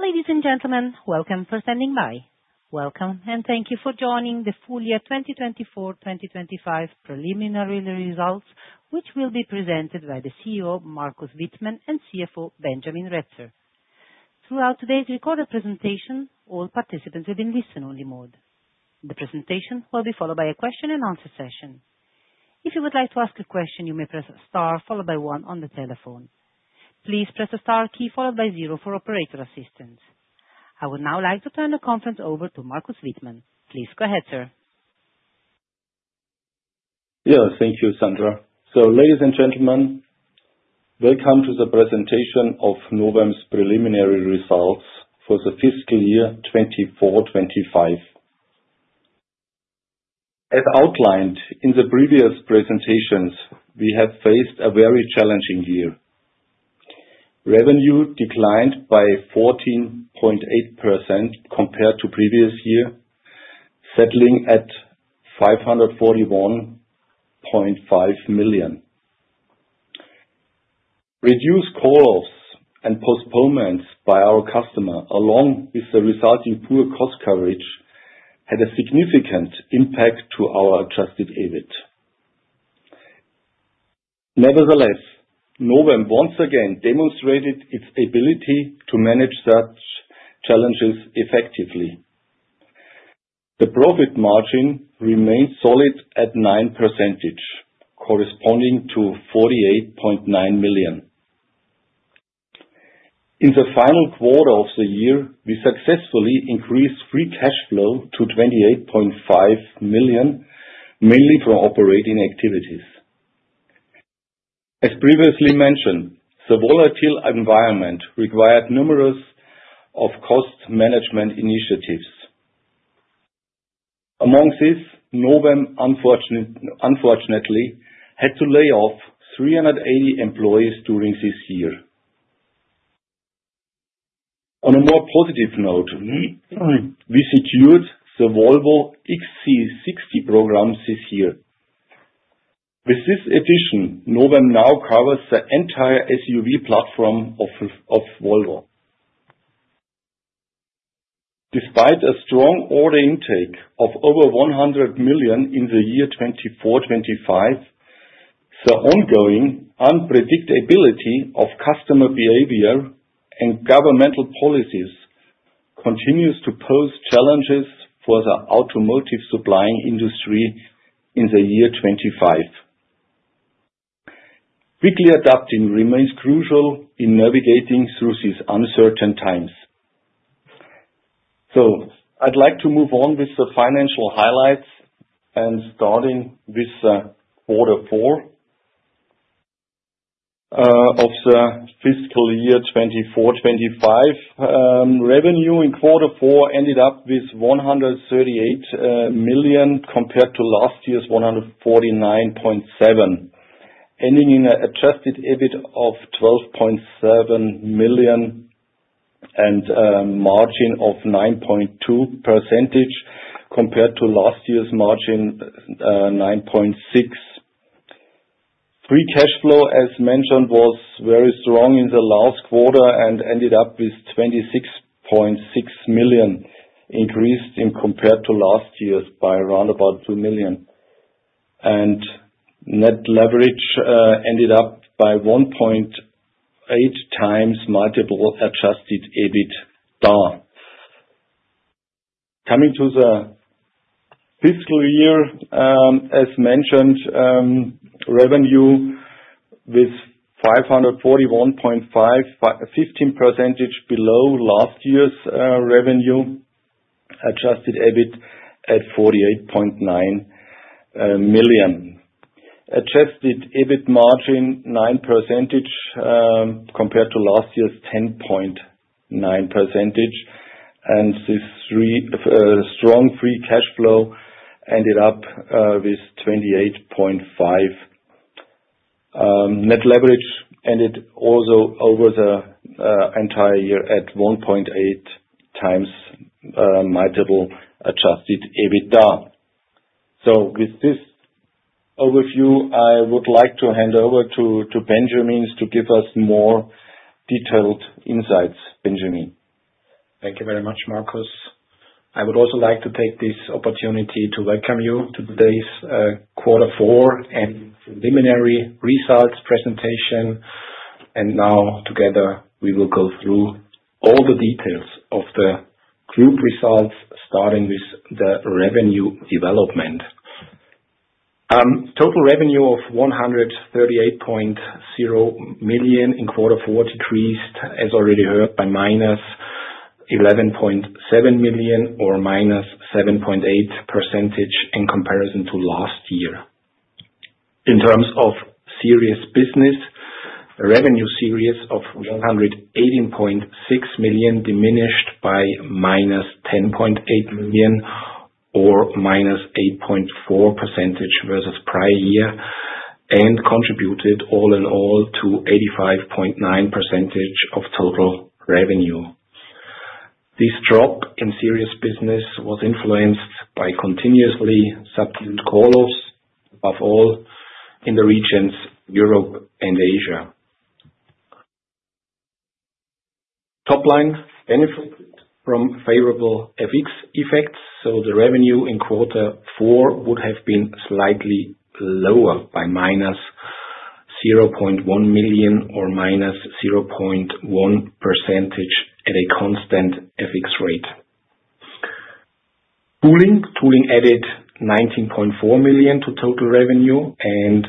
Ladies and gentlemen, welcome and thank you for standing by. Welcome, and thank you for joining the full year 2024/2025 preliminary results, which will be presented by the CEO, Markus Wittmann, and CFO, Benjamin Retzer. Throughout today's recorded presentation, all participants will be in listen-only mode. The presentation will be followed by a question-and-answer session. If you would like to ask a question, you may press star followed by one on the telephone. Please press the star key followed by zero for operator assistance. I would now like to turn the conference over to Markus Wittmann. Please go ahead, sir. Yeah, thank you, Sandra. So, ladies and gentlemen, welcome to the presentation of Novem's preliminary results for the fiscal year 2024, 2025. As outlined in the previous presentations, we have faced a very challenging year. Revenue declined by 14.8% compared to previous year, settling at EUR 541.5 million. Reduced calls and postponements by our customer, along with the resulting poor cost coverage, had a significant impact to our Adjusted EBIT. Nevertheless, Novem once again demonstrated its ability to manage such challenges effectively. The profit margin remains solid at 9%, corresponding to 48.9 million. In the final quarter of the year, we successfully increased Free Cash Flow to 28.5 million, mainly through operating activities. As previously mentioned, the volatile environment required numerous of cost management initiatives. Among this, Novem unfortunately had to lay off 380 employees during this year. On a more positive note, we secured the Volvo XC60 program this year. With this addition, Novem now covers the entire SUV platform of Volvo. Despite a strong order intake of over 100 million in the year 2024/25, the ongoing unpredictability of customer behavior and governmental policies continues to pose challenges for the automotive supplying industry in the year 2025. Quickly adapting remains crucial in navigating through these uncertain times. I'd like to move on with the financial highlights and starting with Q4 of the fiscal year 2024/25. Revenue in Q4 ended up with 138 million, compared to last year's 149.7 million, ending in a adjusted EBIT of 12.7 million and margin of 9.2% compared to last year's margin 9.6%. Free cash flow, as mentioned, was very strong in the last quarter and ended up with 26.6 million, increased compared to last year's by around about 2 million. Net leverage ended up by 1.8x multiple adjusted EBITDA. Coming to the fiscal year, as mentioned, revenue with 541.5, 15% below last year's revenue, adjusted EBIT at 48.9 million. Adjusted EBIT margin 9%, compared to last year's 10.9%, and this three strong free cash flow ended up with 28.5. Net leverage ended also over the entire year at 1.8x multiple adjusted EBITDA. So with this overview, I would like to hand over to Benjamin to give us more detailed insights. Benjamin? Thank you very much, Markus. I would also like to take this opportunity to welcome you to today's Q4 and preliminary results presentation, and now together, we will go through all the details of the group results, starting with the revenue development. Total revenue of 138.0 million in Q4 decreased, as already heard, by -11.7 million or -7.8% in comparison to last year. In terms of series business, revenue series of 118.6 million diminished by -10.8 million or -8.4% versus prior year, and contributed all in all to 85.9% of total revenue. This drop in series business was influenced by continuously subdued call-offs, above all, in the regions Europe and Asia. Top line benefited from favorable FX effects, so the revenue in Q4 would have been slightly lower by -0.1 million or -0.1% at a constant FX rate. Tooling. Tooling added 19.4 million to total revenue and,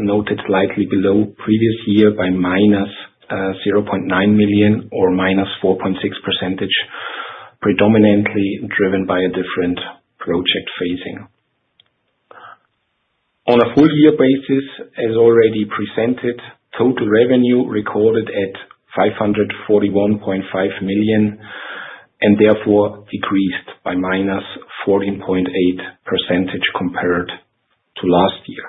noted slightly below previous year by -0.9 million or -4.6%, predominantly driven by a different project phasing. On a full year basis, as already presented, total revenue recorded at 541.5 million, and therefore decreased by -14.8% compared to last year.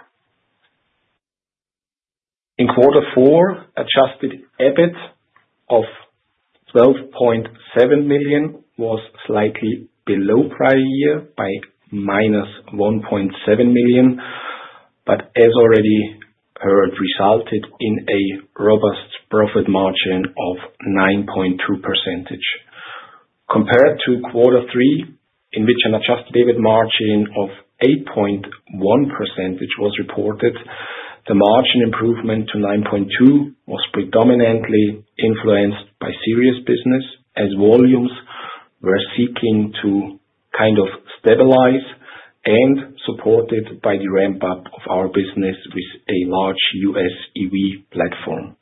In Q4, adjusted EBIT of 12.7 million was slightly below prior year by -1.7 million, but as already heard, resulted in a robust profit margin of 9.2%. Compared to Q3, in which an Adjusted EBIT margin of 8.1% was reported, the margin improvement to 9.2% was predominantly influenced by Series Business, as volumes were seeking to kind of stabilize and supported by the ramp-up of our business with a large US EV platform.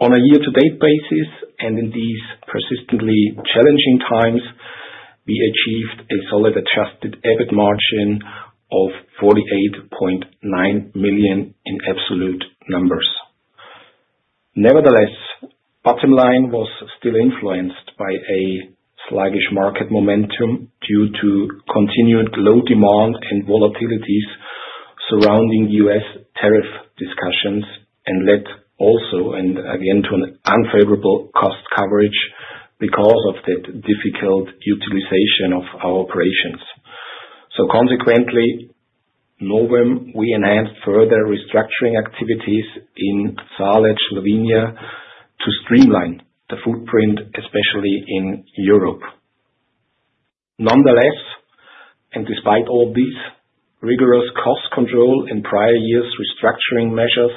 On a year-to-date basis, and in these persistently challenging times, we achieved a solid Adjusted EBIT margin of 48.9 million in absolute numbers. Nevertheless, bottom line was still influenced by a sluggish market momentum due to continued low demand and volatilities surrounding US tariff discussions, and led also, and again, to an unfavorable cost coverage because of the difficult utilization of our operations. Consequently, Novem, we announced further restructuring activities in Lesce, Slovenia, to streamline the footprint, especially in Europe. Nonetheless, and despite all this, rigorous cost control in prior years, restructuring measures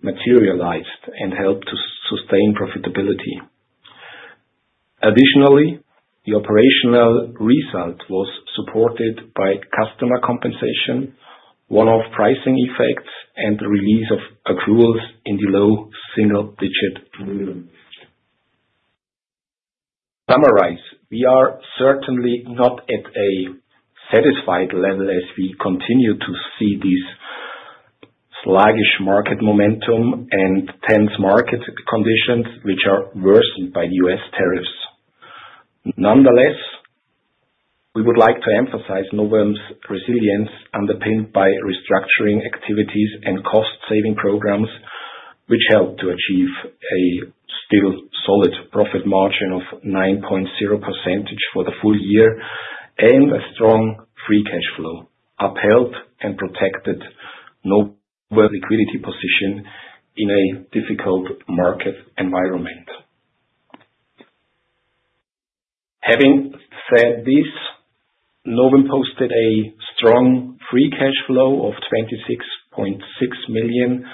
materialized and helped to sustain profitability. Additionally, the operational result was supported by customer compensation, one-off pricing effects, and the release of accruals in the low single-digit million EUR. Summarize, we are certainly not at a satisfied level as we continue to see this sluggish market momentum and tense market conditions, which are worsened by U.S. tariffs. Nonetheless, we would like to emphasize Novem's resilience, underpinned by restructuring activities and cost-saving programs, which helped to achieve a still solid profit margin of 9.0% for the full year, and a strong free cash flow, upheld and protected Novem liquidity position in a difficult market environment. Having said this, Novem posted a strong free cash flow of 26.6 million,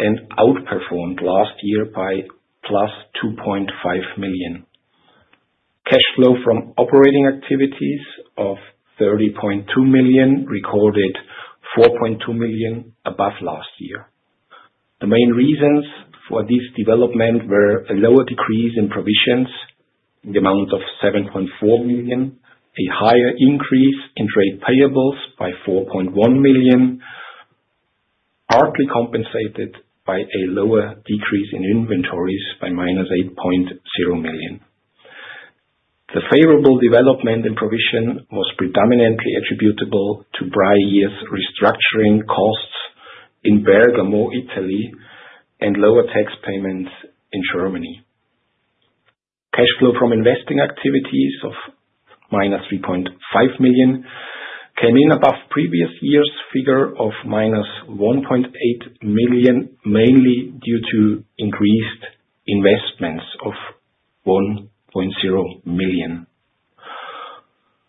and outperformed last year by +2.5 million. Cash flow from operating activities of 30.2 million, recorded 4.2 million above last year. The main reasons for this development were a lower decrease in provisions in the amount of 7.4 million, a higher increase in trade payables by 4.1 million, partly compensated by a lower decrease in inventories by -8.0 million. The favorable development in provision was predominantly attributable to prior years' restructuring costs in Bergamo, Italy, and lower tax payments in Germany. Cash flow from investing activities of -3.5 million came in above previous year's figure of -1.8 million, mainly due to increased investments of 1.0 million.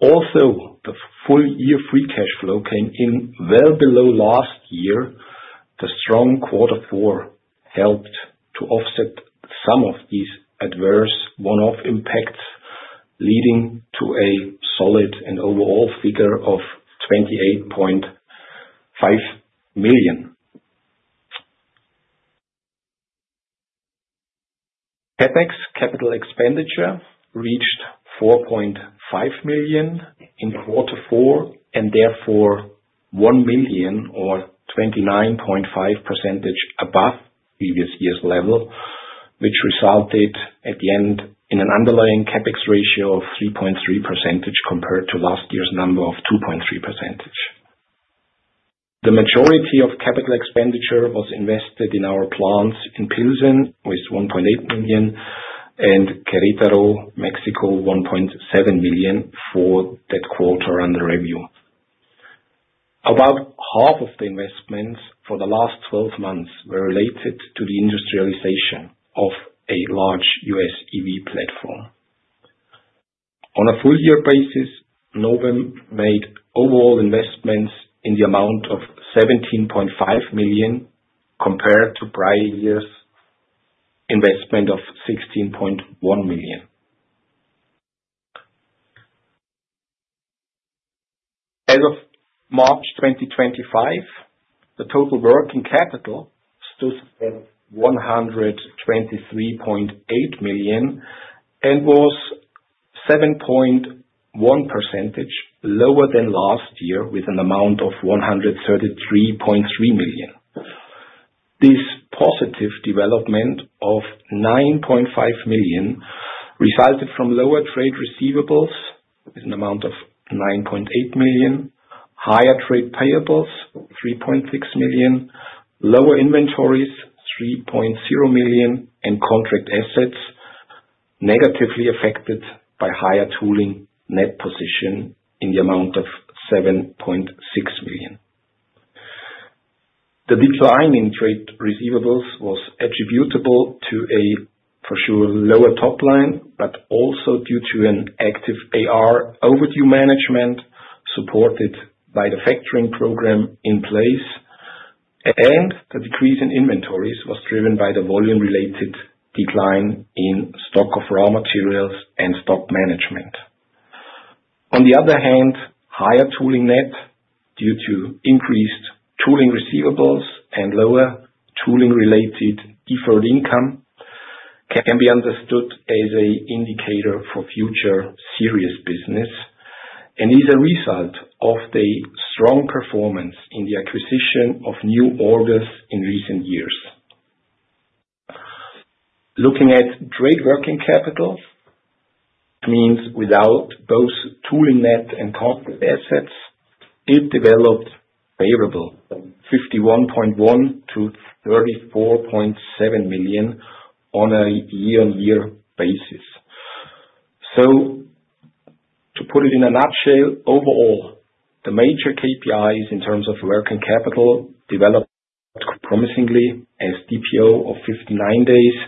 Also, the full year free cash flow came in well below last year. The strong Q4 helped to offset some of these adverse one-off impacts, leading to a solid and overall figure of 28.5 million. CapEx, capital expenditure, reached 4.5 million in Q4, and therefore 1 million or 29.5% above previous year's level, which resulted, at the end, in an underlying CapEx ratio of 3.3%, compared to last year's number of 2.3%. The majority of capital expenditure was invested in our plants in Pilsen, with 1.8 million, and Querétaro, Mexico, 1.7 million for that quarter under review. About half of the investments for the last twelve months were related to the industrialization of a large US EV platform. On a full year basis, Novem made overall investments in the amount of 17.5 million, compared to prior year's investment of 16.1 million. As of March 2025, the total working capital stood at 123.8 million, and was 7.1% lower than last year, with an amount of 133.3 million. This positive development of 9.5 million resulted from lower trade receivables in amount of 9.8 million, higher trade payables, 3.6 million, lower inventories, 3.0 million, and contract assets negatively affected by higher tooling net position in the amount of 7.6 million. The decline in trade receivables was attributable to a, for sure, lower top line, but also due to an active AR overdue management, supported by the factoring program in place. And the decrease in inventories was driven by the volume-related decline in stock of raw materials and stock management. On the other hand, higher tooling net, due to increased tooling receivables and lower tooling-related deferred income, can be understood as an indicator for future series business, and is a result of the strong performance in the acquisition of new orders in recent years. Looking at trade working capital, means without both tooling net and contract assets, it developed favorable, from 51.1 million to 34.7 million on a year-on-year basis. So to put it in a nutshell, overall, the major KPIs in terms of working capital developed promisingly, as DPO of 59 days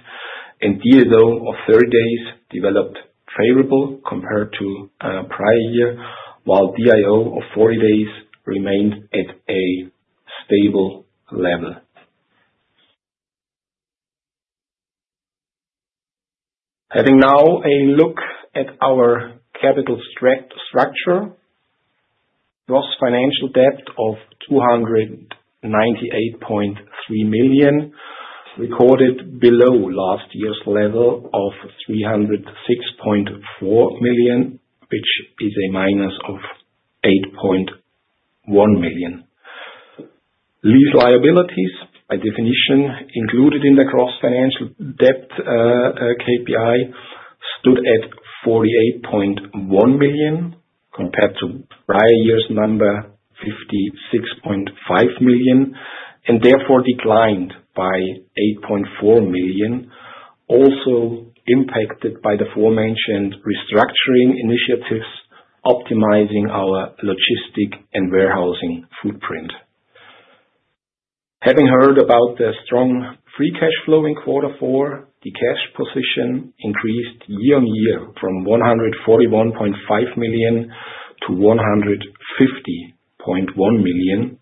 and DSO of 30 days developed favorable compared to prior year, while DIO of 40 days remained at a stable level. Having now a look at our capital structure, gross financial debt of 298.3 million, recorded below last year's level of 306.4 million, which is a minus of 8.1 million. Lease liabilities, by definition, included in the gross financial debt KPI, stood at 48.1 million, compared to prior year's number, 56.5 million, and therefore declined by 8.4 million. Also impacted by the aforementioned restructuring initiatives, optimizing our logistics and warehousing footprint. Having heard about the strong free cash flow in Q4, the cash position increased year-on-year from 141.5 million to 150.1 million,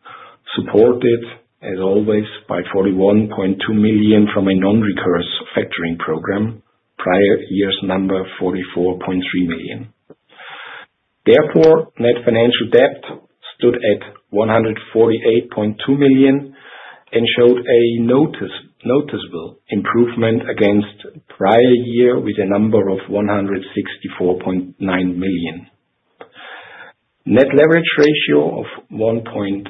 supported, as always, by 41.2 million from a non-recurring factoring program, prior year's number, 44.3 million. Therefore, net financial debt stood at 148.2 million and showed a noticeable improvement against prior year, with a number of 164.9 million. Net leverage ratio of 1.8x,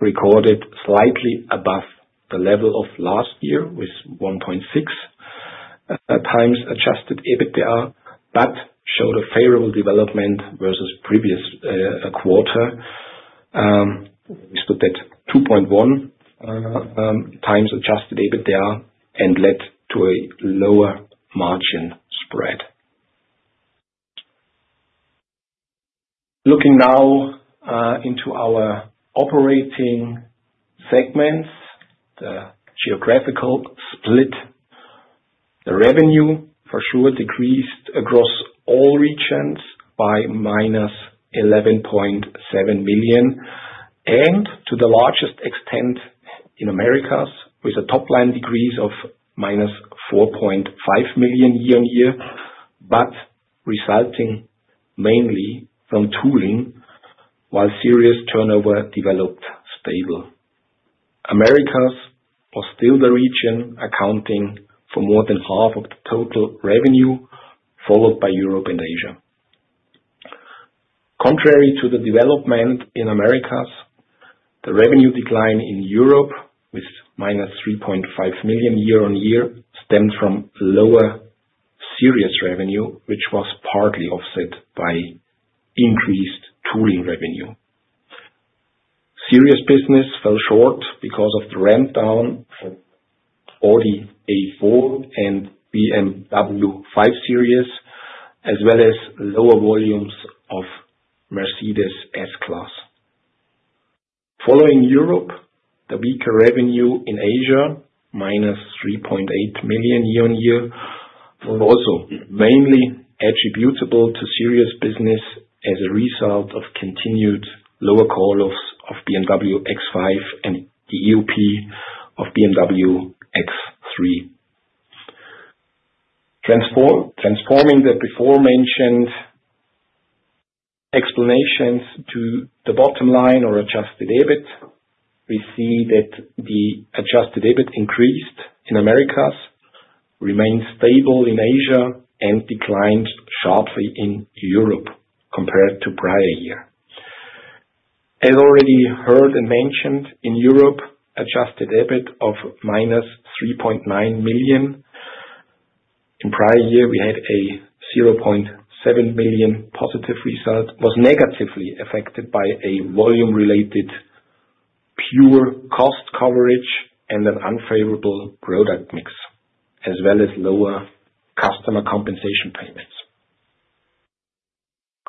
recorded slightly above the level of last year, with 1.6 times adjusted EBITDA, but showed a favorable development versus previous quarter. We stood at 2.1 times adjusted EBITDA and led to a lower margin spread. Looking now into our operating segments, the geographical split. The revenue, for sure, decreased across all regions by -11.7 million, and to the largest extent in Americas, with a top-line decrease of -4.5 million year-on-year, but resulting mainly from tooling, while series turnover developed stable. Americas was still the region accounting for more than half of the total revenue, followed by Europe and Asia. Contrary to the development in Americas, the revenue decline in Europe, with -3.5 million year-on-year, stems from lower series revenue, which was partly offset by increased tooling revenue. Series business fell short because of the ramp down for Audi A4 and BMW 5 Series, as well as lower volumes of Mercedes S-Class. Following Europe, the weaker revenue in Asia, -3.8 million year-on-year, were also mainly attributable to series business as a result of continued lower call-offs of BMW X5 and the EOP of BMW X3. Transforming the before mentioned explanations to the bottom line or adjusted EBIT, we see that the adjusted EBIT increased in Americas, remained stable in Asia, and declined sharply in Europe compared to prior year. As already heard and mentioned, in Europe, Adjusted EBIT of -3.9 million. In prior year, we had a 0.7 million positive result, was negatively affected by a volume-related poor cost coverage and an unfavorable product mix, as well as lower customer compensation payments.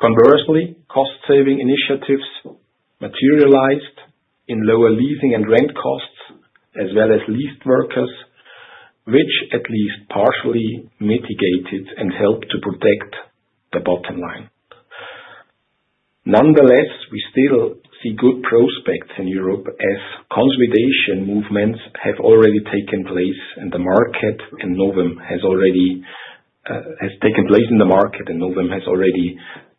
Conversely, cost saving initiatives materialized in lower leasing and rent costs, as well as leased workers, which at least partially mitigated and helped to protect the bottom line. Nonetheless, we still see good prospects in Europe as consolidation movements have already taken place, and the market and Novem has already, has taken place in the market, and Novem has already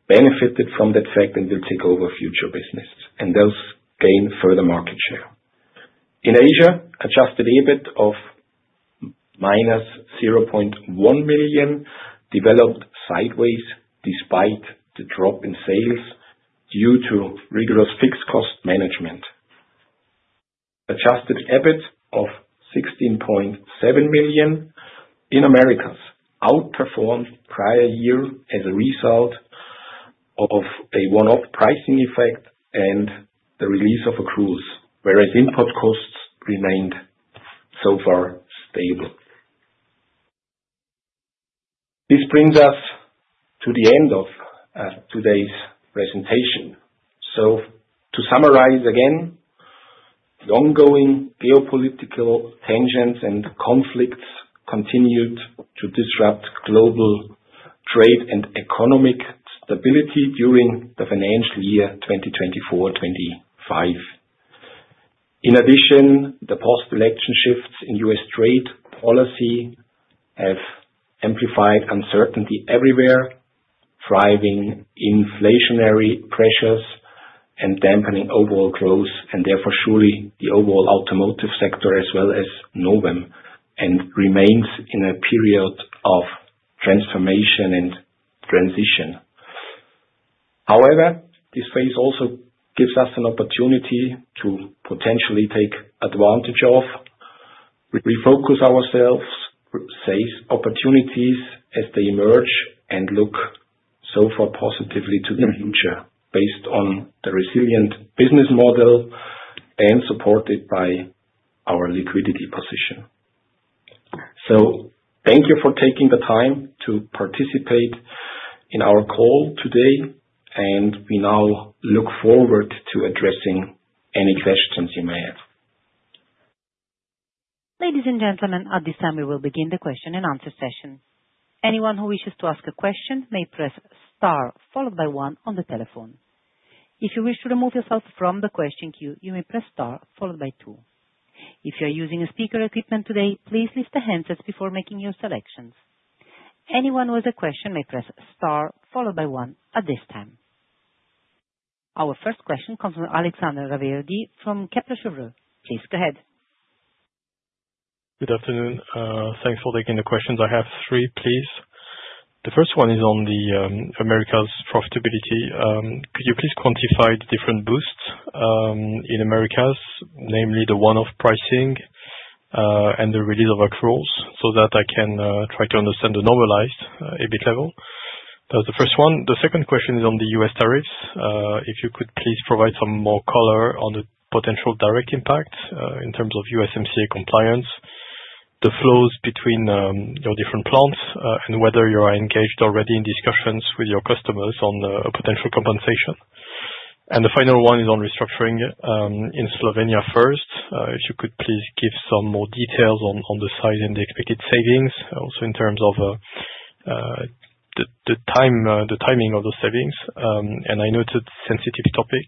benefited from that fact and will take over future business, and thus gain further market share. In Asia, Adjusted EBIT of -0.1 million developed sideways despite the drop in sales due to rigorous fixed cost management. Adjusted EBIT of 16.7 million in Americas outperformed prior year as a result of a one-off pricing effect and the release of accruals, whereas input costs remained so far stable. This brings us to the end of today's presentation. So to summarize, again, the ongoing geopolitical tensions and conflicts continued to disrupt global trade and economic stability during the financial year 2024-2025. In addition, the post-election shifts in U.S. trade policy have amplified uncertainty everywhere, driving inflationary pressures and dampening overall growth, and therefore, surely the overall automotive sector, as well as Novem, and remains in a period of transformation and transition. However, this phase also gives us an opportunity to potentially take advantage of, refocus ourselves, seize opportunities as they emerge, and look so far positively to the future, based on the resilient business model and supported by our liquidity position. Thank you for taking the time to participate in our call today, and we now look forward to addressing any questions you may have. Ladies and gentlemen, at this time, we will begin the question and answer session. Anyone who wishes to ask a question may press star followed by one on the telephone. If you wish to remove yourself from the question queue, you may press star followed by two. If you're using speaker equipment today, please lift the handsets before making your selections. Anyone with a question may press star followed by one at this time. Our first question comes from Alexandre Raverdy from Kepler Cheuvreux. Please go ahead. Good afternoon. Thanks for taking the questions. I have three, please. The first one is on the Americas profitability. Could you please quantify the different boosts in Americas, namely the one-off pricing and the release of accruals, so that I can try to understand the normalized EBIT level? That's the first one. The second question is on the US tariffs. If you could please provide some more color on the potential direct impact in terms of USMCA compliance, the flows between your different plants and whether you are engaged already in discussions with your customers on potential compensation. And the final one is on restructuring in Slovenia first. If you could please give some more details on the size and the expected savings. Also, in terms of the timing of the savings. And I know it's a sensitive topic,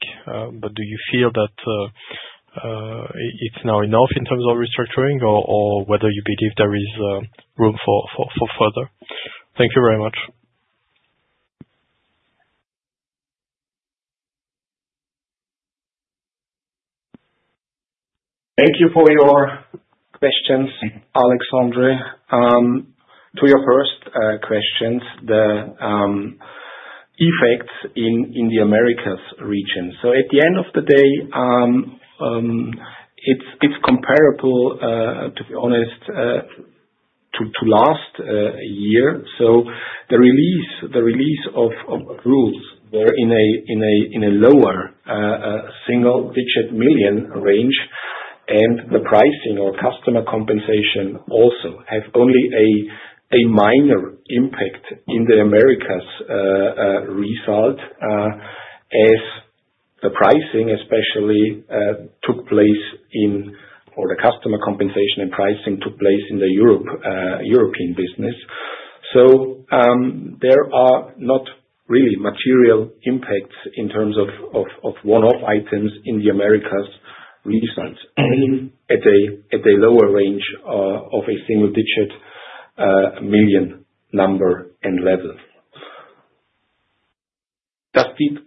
but do you feel that it's now enough in terms of restructuring, or whether you believe there is room for further? Thank you very much. Thank you for your questions, Alexandre. To your first questions, the effects in the Americas region. So at the end of the day, it's comparable, to be honest, to last year. So the release of accruals, they're in a lower single-digit million EUR range. And the pricing or customer compensation also have only a minor impact in the Americas result, as the pricing especially took place in, or the customer compensation and pricing took place in the European business. So, there are not really material impacts in terms of one-off items in the Americas regions, at a lower range of a single-digit million EUR number and level.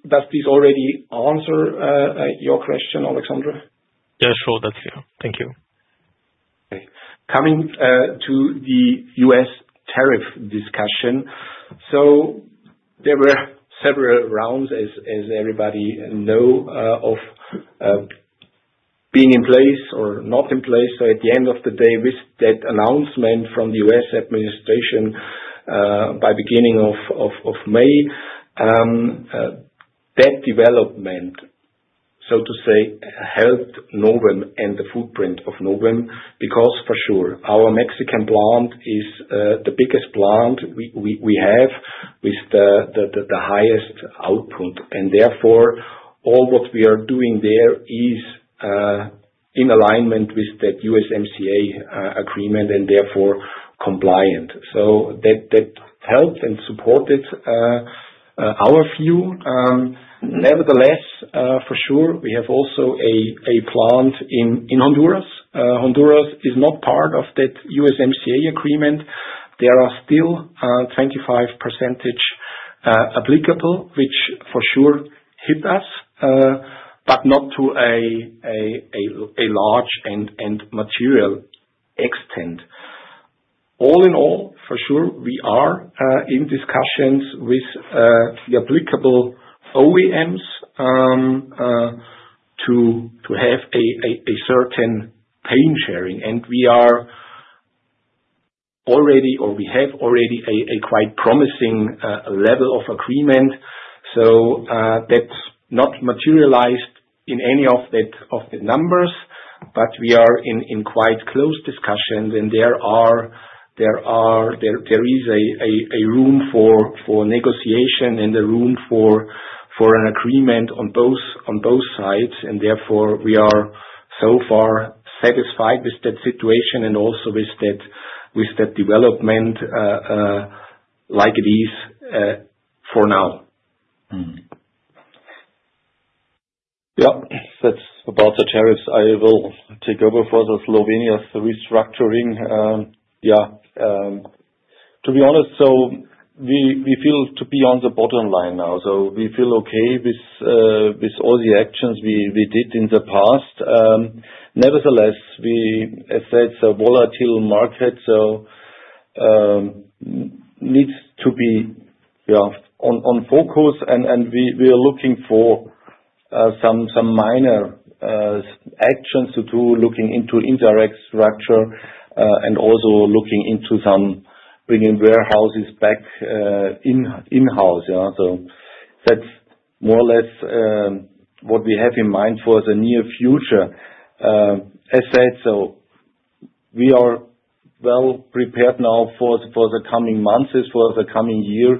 Does this already answer your question, Alexandre? Yeah, sure. That's it. Thank you. Okay. Coming to the U.S. tariff discussion. So there were several rounds, as everybody know of being in place or not in place. So at the end of the day, with that announcement from the U.S. administration by beginning of May, that development, so to say, helped Novem and the footprint of Novem, because for sure, our Mexican plant is the biggest plant we have with the highest output, and therefore, all what we are doing there is in alignment with that USMCA agreement, and therefore compliant. So that helped and supported our view. Nevertheless, for sure, we have also a plant in Honduras. Honduras is not part of that USMCA agreement. There are still 25% applicable, which for sure hit us, but not to a large and material extent. All in all, for sure, we are in discussions with the applicable OEMs to have a certain pain sharing, and we are already or we have already a quite promising level of agreement. So, that's not materialized in any of that of the numbers, but we are in quite close discussions, and there is a room for negotiation and a room for an agreement on both sides. And therefore, we are so far satisfied with that situation and also with that development like it is for now. Yep. That's about the tariffs. I will take over for the Slovenia restructuring. To be honest, we feel to be on the bottom line now. We feel okay with all the actions we did in the past. Nevertheless, we have said it's a volatile market, so needs to be on focus. We are looking for some minor actions to do, looking into indirect structure, and also looking into some bringing warehouses back in-house, you know. That's more or less what we have in mind for the near future. As said, we are well prepared now for the coming months, as for the coming year.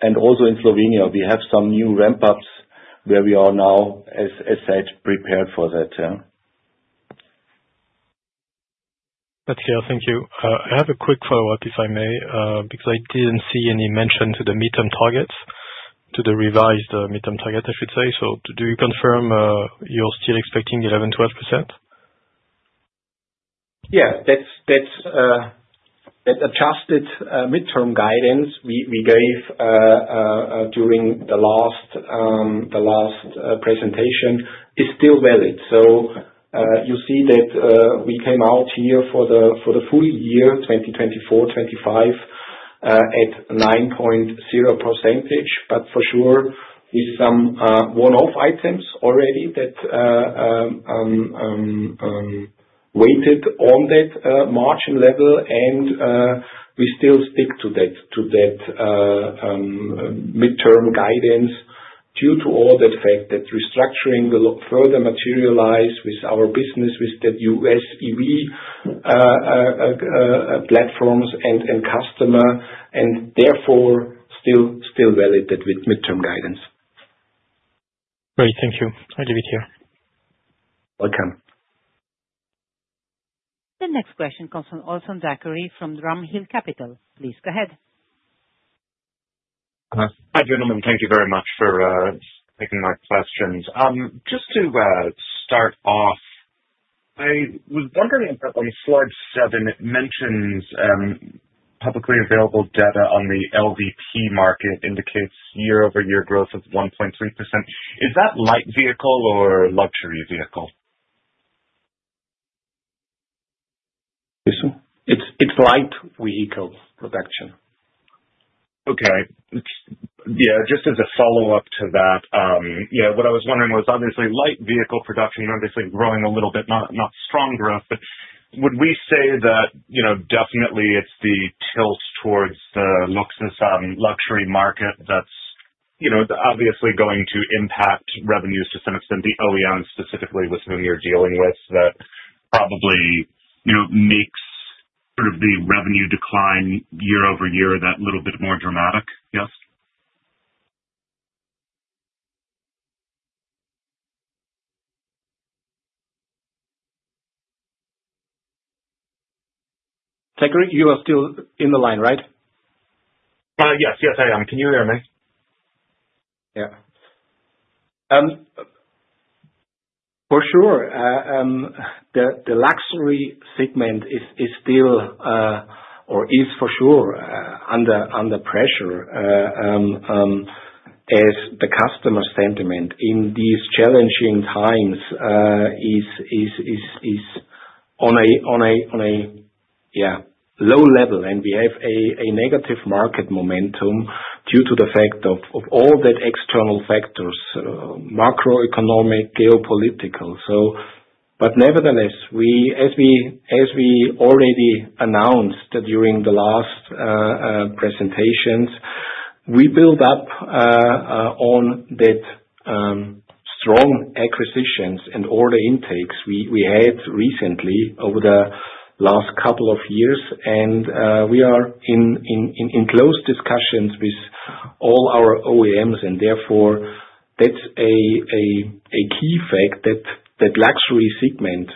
And also in Slovenia, we have some new ramp-ups where we are now, as said, prepared for that. Okay, thank you. I have a quick follow-up, if I may, because I didn't see any mention to the midterm targets, to the revised midterm target, I should say. So do you confirm, you're still expecting 11%-12%? Yeah. That's that adjusted midterm guidance we gave during the last presentation is still valid. So you see that we came out here for the full year 2024-25 at 9.0%. But for sure with some one-off items already that waited on that margin level and we still stick to that midterm guidance due to all the fact that restructuring will further materialize with our business with the US EV platforms and customer and therefore still valid that with midterm guidance. Great. Thank you. I give it here. Welcome. The next question comes from Olson Zachary, from Drum Hill Capital. Please go ahead. Hi, gentlemen. Thank you very much for taking my questions. I was wondering if on slide 7, it mentions publicly available data on the LVP market indicates year-over-year growth of 1.3%. Is that light vehicle or luxury vehicle? This one? It's, it's light vehicle production. Okay. Yeah, just as a follow-up to that, yeah, what I was wondering was obviously light vehicle production obviously growing a little bit, not, not strong growth. But would we say that, you know, definitely it's the tilt towards the luxes, luxury market that's, you know, obviously going to impact revenues to some extent, the OEM specifically, with whom you're dealing with, that probably, you know, makes sort of the revenue decline year over year, that little bit more dramatic, yes? Gregory, you are still in the line, right? Yes. Yes, I am. Can you hear me? Yeah. For sure, the luxury segment is still, or is for sure, under pressure, as the customer sentiment in these challenging times is on a, yeah, low level. And we have a negative market momentum due to the fact of all the external factors, macroeconomic, geopolitical. So, but nevertheless, we, as we already announced during the last presentations, we build up on that, strong acquisitions and order intakes we had recently over the last couple of years. We are in close discussions with all our OEMs, and therefore, that's a key fact that luxury segment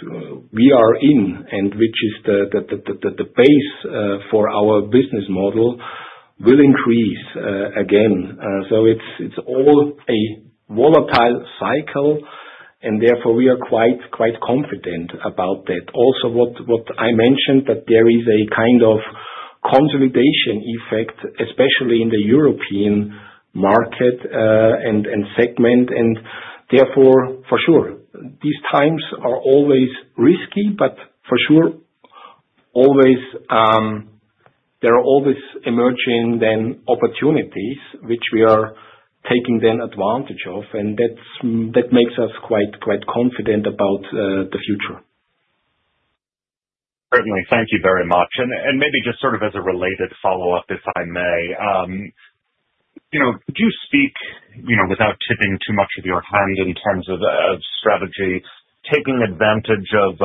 we are in and which is the base for our business model will increase again. So it's all a volatile cycle, and therefore, we are quite confident about that. Also, what I mentioned, that there is a kind of consolidation effect, especially in the European market and segment, and therefore, for sure, these times are always risky. But for sure, always, there are always emerging opportunities which we are taking advantage of, and that makes us quite confident about the future. Certainly. Thank you very much. Maybe just sort of as a related follow-up, if I may. You know, could you speak, you know, without tipping too much of your hand in terms of strategy, taking advantage of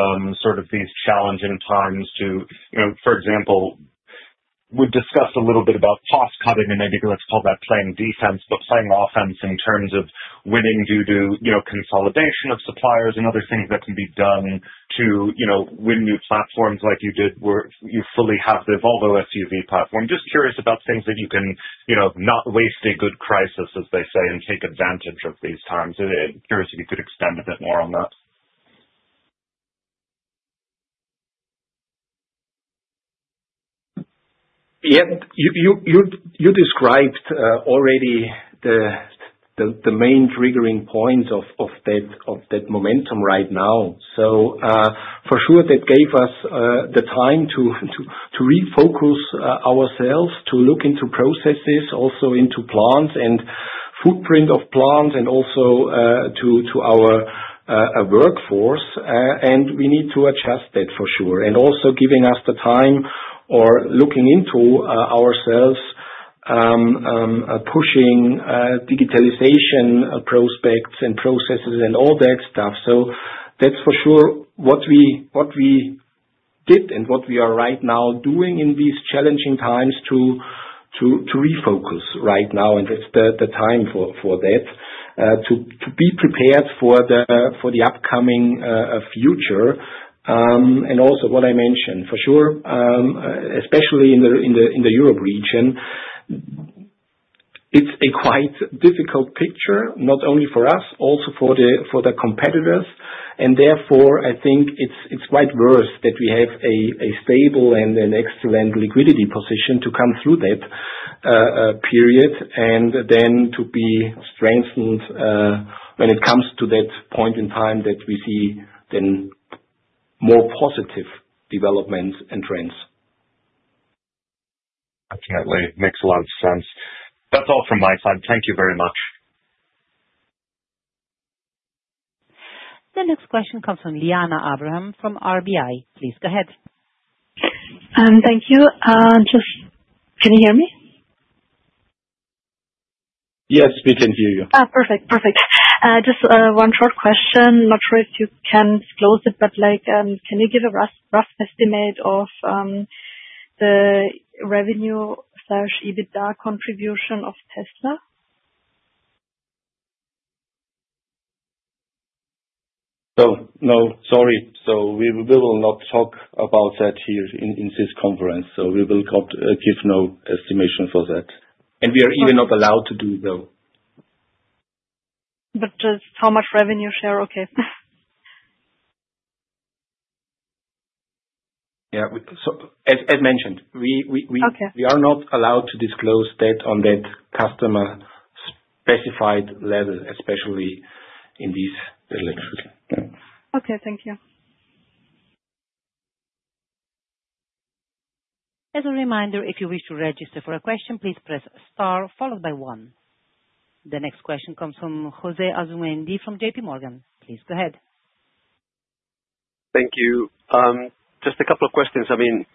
sort of these challenging times to... You know, for example, we've discussed a little bit about cost cutting, and maybe let's call that playing defense, but playing offense in terms of winning, due to, you know, consolidation of suppliers and other things that can be done to, you know, win new platforms like you did, where you fully have the Volvo SUV platform. Just curious about things that you can, you know, not waste a good crisis, as they say, and take advantage of these times. Curious if you could expand a bit more on that. Yeah. You described already the main triggering points of that momentum right now. So, for sure, that gave us the time to refocus ourselves, to look into processes, also into plants and footprint of plants and also to our workforce. And we need to adjust that for sure. And also giving us the time or looking into ourselves, pushing digitalization prospects and processes and all that stuff. So that's for sure what we did and what we are right now doing in these challenging times to refocus right now, and it's the time for that to be prepared for the upcoming future. And also what I mentioned, for sure, especially in the Europe region, it's a quite difficult picture, not only for us, also for the competitors, and therefore, I think it's quite worse that we have a stable and an excellent liquidity position to come through that period, and then to be strengthened, when it comes to that point in time that we see then more positive developments and trends. Okay. It makes a lot of sense. That's all from my side. Thank you very much. The next question comes from Liana Abraham from RBI. Please go ahead. Thank you. Can you hear me? Yes, we can hear you. Ah, perfect. Perfect. Just one short question. Not sure if you can disclose it, but, like, can you give a rough, rough estimate of the revenue/EBITDA contribution of Tesla? So no, sorry. So we will not talk about that here in this conference, so we will not give no estimation for that. We are even not allowed to do so. But just how much revenue share? Okay. Yeah, so as mentioned, we... Okay. We are not allowed to disclose that on that customer-specified level, especially in this election. Okay. Thank you. As a reminder, if you wish to register for a question, please press star followed by one. The next question comes from Jose Asumendi from JPMorgan. Please go ahead. Thank you. Just a couple of questions. I mean,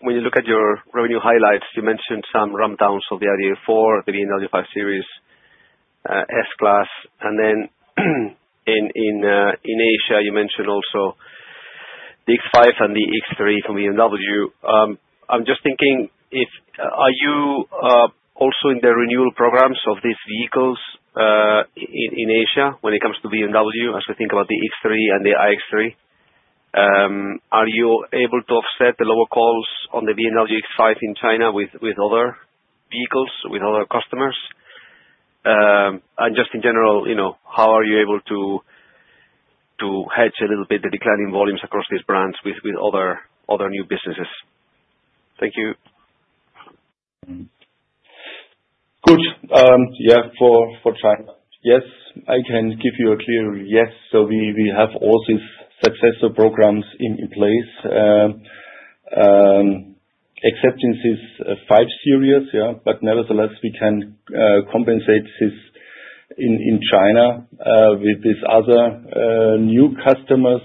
when you look at your revenue highlights, you mentioned some ramp downs of the ID.4, the BMW 5 Series, S-Class, and then in Asia, you mentioned also the X5 and the X3 from BMW. I'm just thinking. Are you also in the renewal programs of these vehicles, in Asia, when it comes to BMW, as we think about the X3 and the iX3? Are you able to offset the lower call-offs on the BMW X5 in China with other vehicles, with other customers? And just in general, you know, how are you able to hedge a little bit the declining volumes across these brands with other new businesses? Thank you. Good. Yeah, for China. Yes, I can give you a clear yes. So we have all these successor programs in place. Except in this 5 Series, yeah, but nevertheless, we can compensate this in China with these other new customers,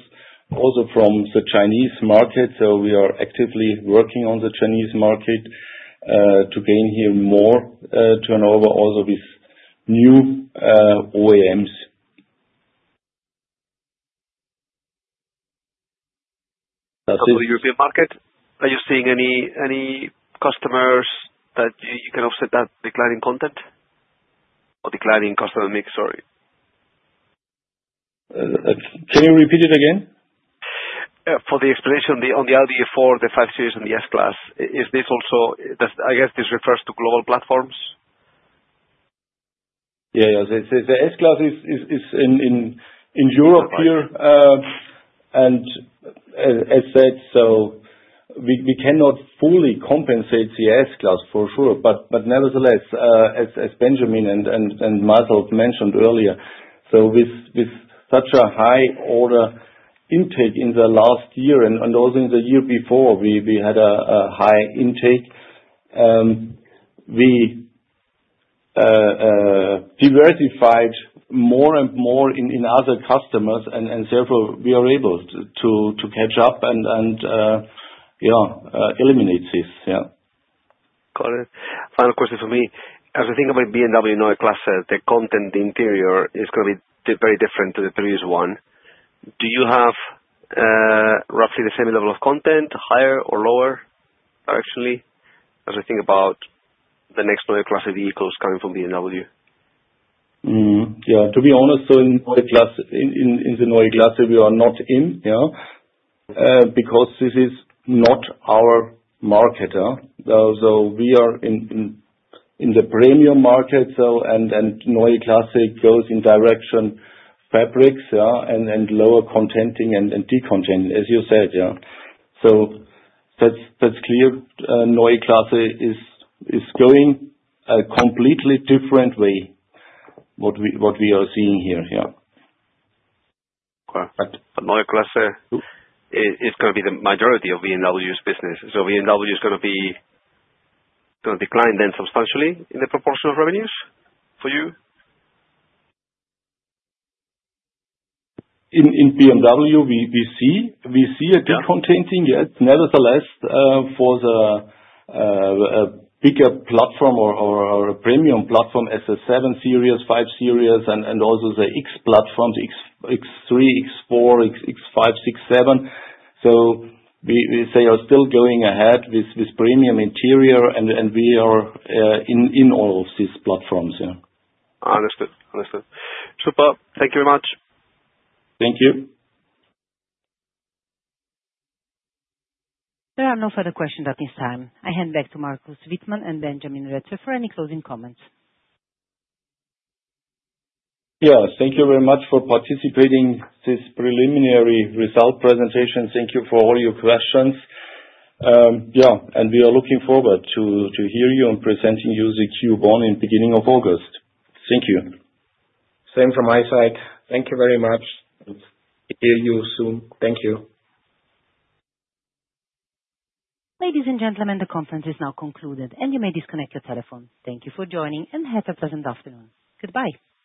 also from the Chinese market. So we are actively working on the Chinese market to gain here more turnover, also with new OEMs. That is- For the European market, are you seeing any customers that you can offset that declining content or declining customer mix? Sorry. Can you repeat it again? Yeah, for the explanation on the ID.4, the 5 Series and the S-Class, is this also... I guess this refers to global platforms? Yeah, yeah. The S-Class is in Europe here. And as said, so we cannot fully compensate the S-Class, for sure, but nevertheless, as Benjamin and Marcel mentioned earlier, so with such a high order intake in the last year and also in the year before, we had a high intake. We diversified more and more in other customers, and therefore, we are able to catch up and, yeah, eliminate this. Yeah. Got it. Final question for me, as we think about BMW Neue Klasse, the content, the interior is gonna be very different to the previous one. Do you have roughly the same level of content, higher or lower, actually, as we think about the next Neue Klasse vehicles coming from BMW? Yeah, to be honest, so in the Neue Klasse, we are not in, yeah. Because this is not our market. So, we are in the premium market, so, and Neue Klasse goes in direction fabrics, yeah, and lower contenting and decontenting, as you said, yeah. So that's clear. Neue Klasse is going a completely different way, what we are seeing here, yeah. Correct. But Neue Klasse is gonna be the majority of BMW's business. So BMW is gonna be, gonna decline then substantially in the proportion of revenues for you? In BMW, we see a decontenting, yes. Nevertheless, for a bigger platform or a premium platform, as the 7 Series, 5 Series, and also the X platforms, X3, X4, X5, X6, X7. So we say are still going ahead with this premium interior, and we are in all of these platforms, yeah. Understood. Understood. Super. Thank you very much. Thank you. There are no further questions at this time. I hand back to Markus Wittmann and Benjamin Retzer for any closing comments. Yeah. Thank you very much for participating this preliminary result presentation. Thank you for all your questions. Yeah, and we are looking forward to, to hear you on presenting you the Q1 in the beginning of August. Thank you. Same from my side. Thank you very much, and hear from you soon. Thank you. Ladies and gentlemen, the conference is now concluded, and you may disconnect your telephone. Thank you for joining, and have a pleasant afternoon. Goodbye.